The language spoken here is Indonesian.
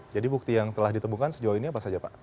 jadi bukti yang telah ditemukan sejauh ini apa saja pak